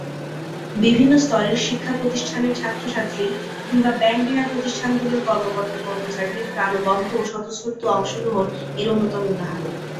বিভিন্ন স্তরের শিক্ষা প্রতিষ্ঠানের ছাত্র-ছাত্রী কিংবা ব্যাংক-বীমা প্রতিষ্ঠানগুলোর কর্মকর্তা-কর্মচারীদের প্রাণবন্ত ও স্বতঃস্ফূর্ত অংশগ্রহণ এর অন্যতম উদাহরণ।